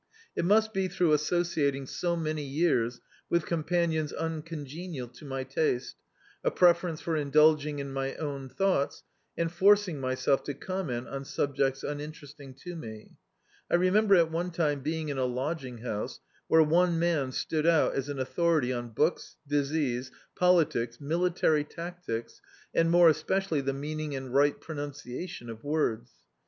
It must be throu^ associating so many years with ctnnpan ions imccmgenial to my taste, a preference for in dulging in my own thou^ts, and forcing myself to comment on subjects uninteresting to me. I remem ber at one time being in a lod^ng house where one man stood out as an authority on books, disease, politics, military tactics, and more especially the meaning and ri^t pronunciarion of words.